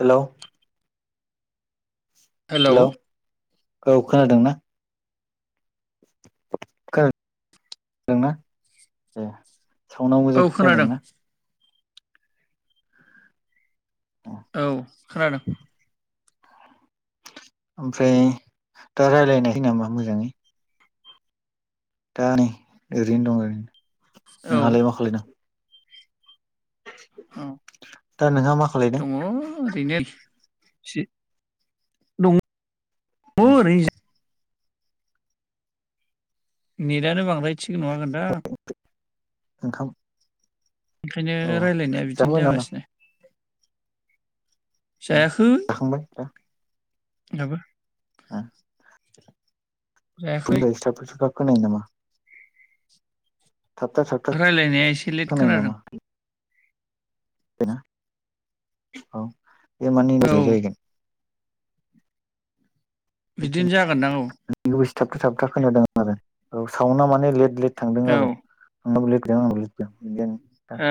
Hello. Hello. औ खोनादों ना। [unintelligible] साउना औ मोजां खोनादों खोनादोंना। औ खोनादों। ओमफ्राय दा रायलायनाय [unintelligible] मोजाङै। दा नै ओरैनो दं ओरैनो। औ नोंहालाय मा खालायदों? औ दा नोंहा मा खालायदों। दङ ओरैनो [unintelligible] [unintelligible] नेटानो बांद्राय थिग नङागोन दा। ओंखाम। बेखायनो औ रायलायनाया बिदिनो जाखांबाय नामा जागासिनो। जायाखै। जाखांबाय दा [unintelligible] जायाखै [inaudible] खोनायो नामा? थाबथा थाबथा राय्लायनाया एसे लेट खोनादों ना औ बे मानि औ रेजेग जाहैगोन बिदिनो जागोन दां औ थाबथा थाबथा खोनादों आरो औ सावना माने लेट लेट थांदों औ आरो आं [inaudible] हा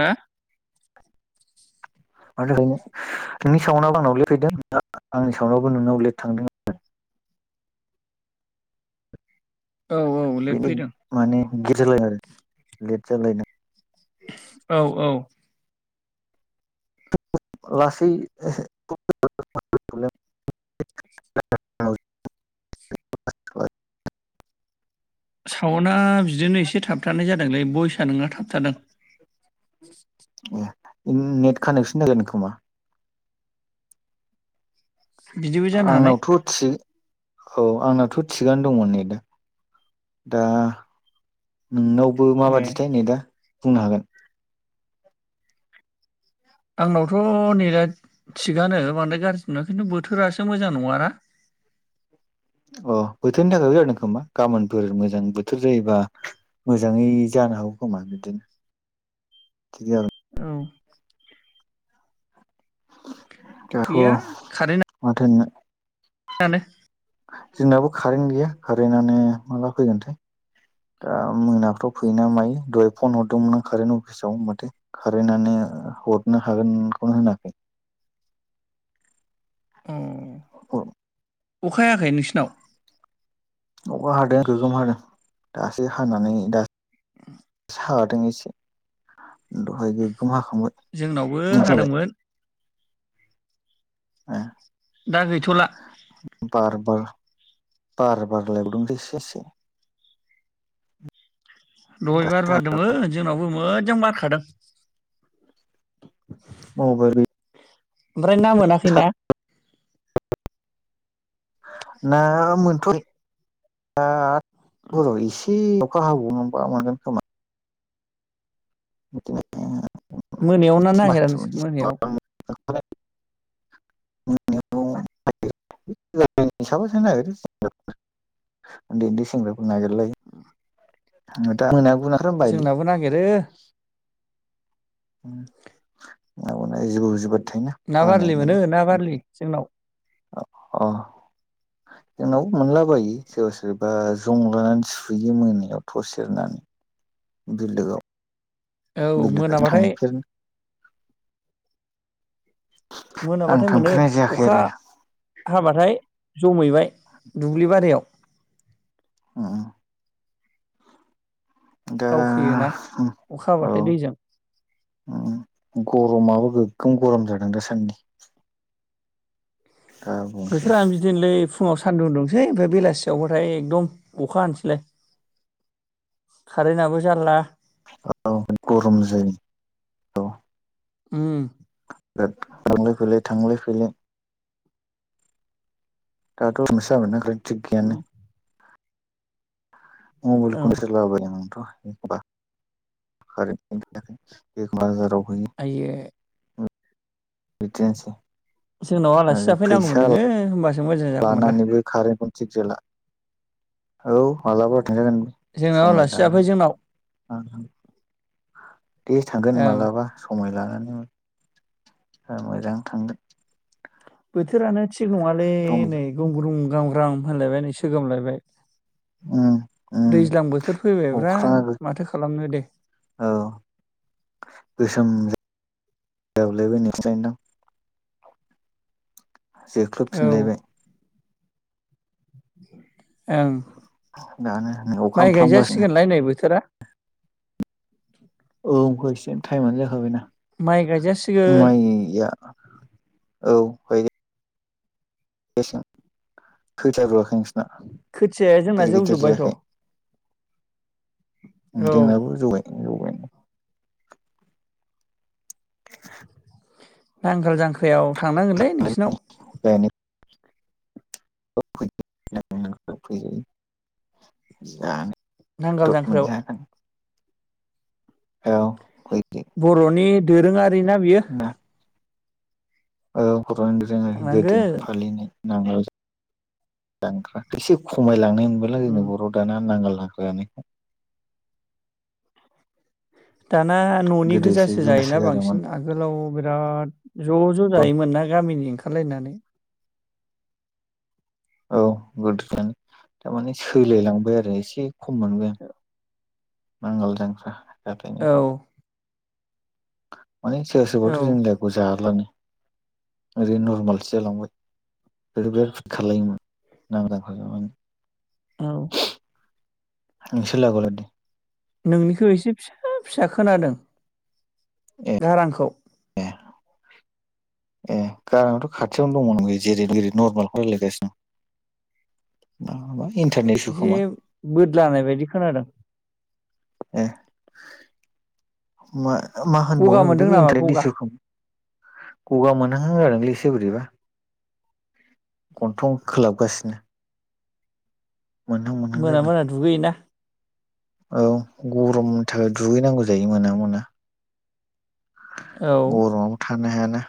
मनो नोंनि सावनावबो आंनाव लेट फैदों आंनि सावनावबो नोंनाव लेट थांदों आरो औ औ लेट फैदों गिट जालाय आरो लेट जालायना औ औ [unintelligible] सावना बिदिनो एसे थाबथानाय जादों लै भयसा नोंना थाबथादों ए नेट कानेक्सन जागोन खोमा बिदिबो जानो हानाय आंनावथ' थिग औ आंनाथ' थिगानो दंमोन नै दा दा नोंनावबो ए माबादिथाय नेदा बुंनो हागोन आंनावथ' ने दा थिगानो बांद्राय गाज्रि नङा खिन्थु बोथोरासो मोजां नङाना अ बोथोरनि थाखायबो जादों खोमा गाबोनफोर मोजां बोथोर जायोबा मोजाङै जानो हागौ खोमा बिदिनो थिग आरो औ गैया [unintelligible] [unintelligible] माथनो जानो जोंनाबो कारेन्ट गैया कारेन्टानो माला फैगोनथाय दा मोनाफ्राव फैयोना मायो दहाय फन हरदोंमोन आं कारेन्ट अफिसाव माथो कारेन्टनो हरनो हागोनखौनो होनाखै [unintelligible] अखाहायाखै नोंसिनाव अखा हादों गोगोम हादों दासो हानानै दा [unintelligible] हागादों एसे दहाय गोग्गोम हाखांबाय जोंनावबो नोंसालाय हादोंमोन ओ दा गैथ'ला बार बार बार बारलायबावदोंसो एसे एसे दहाय बार दासो बारदोंमोन जोंनावबो मोजां बारखादों मबाइलबो ओमफ्राय ना मोनाखै ना ना मोनथ' आ बर' आ इसेल' अखा हाबाव बामोनगोन खोमा [unintelligible] मोनायाव ना मास नागिरा नोंसोर मोनायाव [unintelligible] [unintelligible] उन्दै उन्दै सेंग्राफोर नागिरलाय [unintelligible] बायोलै जोंनाबो नागिरो [unintelligible] ना बानाय बारलि मोनो माने ना बारलि जोंनाव अ जोंनाव मोनलाबायो सोरबा-सोरबा जं लानानै सुयो मोनायाव थर सेरनानै बिलोआव औ बिलो खाथि मोनाबाथाय थांफेर आं मोनाबाथाय मोनो थांफेरनाय जायाखै अखा आरो हाबा ओमफ्राय जमैबाय दुब्लि बारियाव उम दा दावखोयोना अखा औ हाबाथाय दैजों उम गर'माबो खम गरम जादों दासानदि बोथोरानो बिदिनोलै फुङाव सान्दुं दुंसै ओमफ्राय बेलासियावबाथाय एकदम अखा हानोसैलाय कारेन्टआबो जारला औ गरम जायो औ ओम थांलाय-फैलाय थांलाय-फैलाय दाथ' मोसा मोनाखै थिगियानो औ मबेलखौनो [unintelligible] [unintelligible] [unintelligible] आयो बिदिनोसै जोंनाव आलासि आरो फैसा जाफैनांगौमोन नोङो होमबासो मोजां जागौमोन दा लानानैबो खारेंखौ थिग जाला औ मालाबा थांजागोन जोंनाव समाय आलासि जाफै लानानै जोंनाव ओं थां दे थांगोन ओं मालाबा समाय लानानै। ओ मोजां थांगोन। बोथोरानो थिग नङालै उम नै गुंग्रुं गामग्राम होनलायबाय नै सोगोमलायबाय। उम दैज्लां बोथोर फैबायब्रा अख्राङाबो माथो खालामनो दे। औ [unintelligible] जोख्लोब औ फिनलायबाय। ओं। दानो अखा मोफ्लामगासिनो। थोरा औ होसिगोन टाइमानो जाखाबायना। माइ गायजासिगोन माइया औ गाय बेसेबां खैथिया रुवाखै नोंसि खोथियाया जोंना जौजोब्बायथ' औ। जोंनाबो जौबाय जौबाय [inaudible] नांगाल जांख्रायाव थांनांगोनलै नोंसिनाव। [unintelligible] जानो नांगाल दर जांख्रायाव मोनजागोन। औ फै। बर'नि दोरोङा रि ना बियो। ना औ। [unintelligible] थांनांगोन फालिनाय नांगोल जांख्रा एसे खमायलांनाय नुबायलां जोंनाव उम। बर' दाना नांगोल जांख्रानिखौ। दाना न'नि गोदोसो गोजासो जायोना गोमासोगारोमोन बांसिन आगोलाव बिराद ज' ज' जायोमोन ना गामिनि ओंखा खालायनानै। औ गोदो [unintelligible] दामाने सोलायलांबाय आरो एसे खम मोनबाय आं। नांगोल जांख्रा औ जाथायनिखौ [inaudible] माने सोरबा औ सोरबाथ' जोंनि [unintelligible] ओरैनो नरमालसो जालांबाय ओरै बिराद सुद खालायोमोन नांदांखा‌ उम नोंसोर लागोआवलाय [unintelligible] नोंनिखौ एसे फिसा फिसा खोनादों। ए गारांखौ ए गाराङाथ' खाथियावनो दंमोन जेरै जेरै नरमालखौ रायलायगासिनो। इन्टारनेट इसु एसे खोमा बोद लानाय बायदि खोनादों। ए मा मा गगा होनबावनो मोनदों बिदिखौ नामा इन्टारनेट गगा इसुखो गगा मोनहांदोंलै एसे बोरैबा गन्थं खोलाबगासिनो। मोनहां मोनहां मोना जादों मोना दुगैयोना। औ गरमनि थाखाय दुगैनांगौ जायो मोना मोना। औ गरमाबो थानो हाया‌ना ना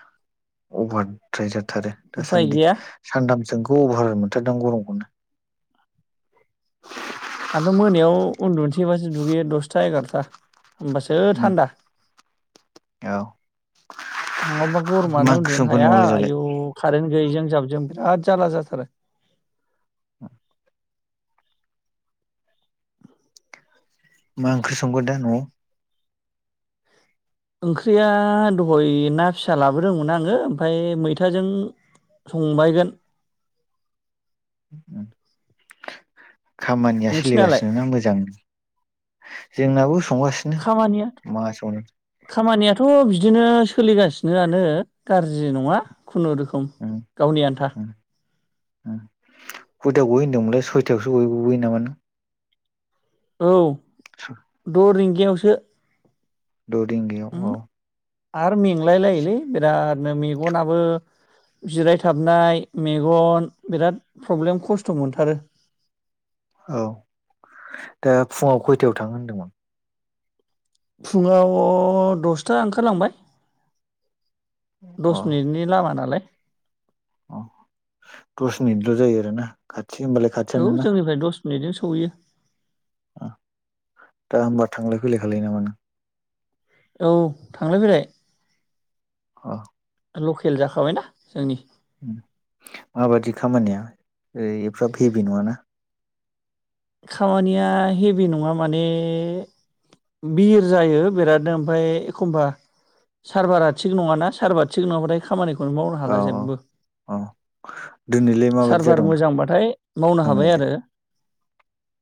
अभारद्राय जाद थारो उफाय दासान्दि गैया सानथामसो अभार मोनथारदां गरमखौनो। आंथ' मोनायाव उन्दुनसैबासो दुगैयो दसथा एगार'था। होमबासो औ थान्दा नङाबा मा गरमानो ओंख्रि उन्दुनो संखो हाया न'आवलाय दालाय आयौ कारेन्ट गैयिजों जाब जों बिराद जाल्ला जाथारो। मा ओंख्रि संगोन दा न'आव? ओंख्रिया दहय ना फिसा लाबोदोंमोन आङो ओमफाय मैथाजों संबायगोन। उम खामानिया नोंसिनालाय सोलिगासिनो ना मोजां जोंनाबो संगासिनो खामानिया मा संनो दिनो सोलिगासिनोआनो गारजि नङा। खुनुरुखुम उम गावनि आन्था उम उम खयटायाव गयो होन दोंमोनलाय सयथायावसो गयो गबोयो नामा नों? औ द रिंग गायावसो। द' रिंगायाव औ। आरो मेंलाय लायोलै बिराद मे-मेगनाबो जिरायथाबनाय मेगन बिराद प्रब्लेम खस्थ' मोनथारो। औ दा फुङाव खयथायाव थांङो होनदोंमोन? फुङाव दसथा ओंखारलांबाय। अ दस मिनिटनि लामा नालाय। अ' दस मिनिटल' जायोना आरोना खा औ जोंनिफ्राय दस मिनिटजों सहैयो। अ दा होमबा थांलाय फैलाय खालामलाय नामा नों? औ थांलाय फैलाय। अह लकेल जाखाबायना जोंनि। माबादि खामानिया ओय एफाफ्राब हेभि नङाना? खामानिया हेभि नङा माने बिर जायो बिराद ओमफाय एखमबा सार्भारा थिग नङाना सार्भार थिग नङाबाथाय खामानिख मावनो औ हाला औ जेबो औ दिनैलाय माबादि सारभार जादोंमोन मोजांबाथाय मावनो हाबाय खामानियालाय आरो।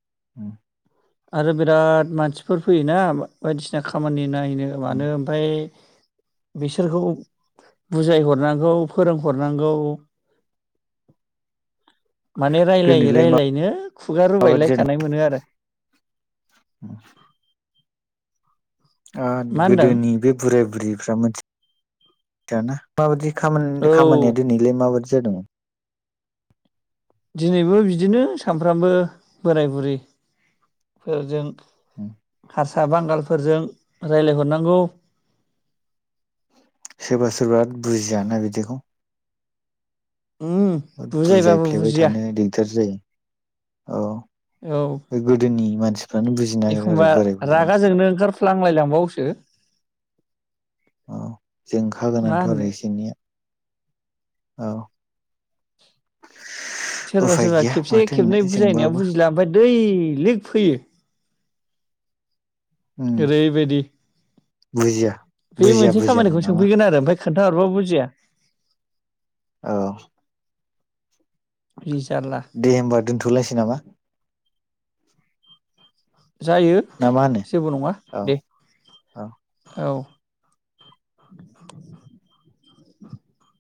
[inaudible] आरो बिराद मानसिफोर फैयोना बायदिसिना खामानि नायनो उम मानो ओमफ्राय बिसोरखौ बुजायहरनांगौ फोरोंहरनांगौ। माने रायजलायै दिनैलाय मा रायजलायनो खुगा माबादि रोबायलाय जादों सानाय मोनो आरो [inaudible] मा होनदों गोदोनि बे बुराय बुरिफ्रा मिथि दाना माबायदि खामानिया औ दिनैलाय माबायदि से दङ। दिनैबो बिदिनो सामफ्रामबो बोराय बुरैफोरजों ओम साहा बांगालफोरजों रायजलायहरनांगौ। सोरबासोरबा बुजिया ना बिदिखौ उम बुजायबाबो बुजायफ्लेबाय बुजिया थानो दिगदार जायो। औ गोदोनि मानस एखमबा रागाजोंनो ओंखारफ्लांलायलांबावोसो। औ जोंखा मा गोनांथ' आरो होननो इसे एनैया। औ सोरबा उफाय सोरबा गैया खेबसे माथो होननो खेबनै बुजायनायाव जोंबाबो बुजिला ओमफफ्राय दै लिक फैयो उम ओरैबायदि बुजिया बे बुजिया मोनसे बुजियानो खामानिखौ नामा सोंफैगोन आरो ओमफाय खोन्थाहरबाबो बुजिया औ जि जारला दे होमबा दोन्थ'लायसै नामा जायो ना मा होनो जेबो नङा औ दे औ औ [inaudible]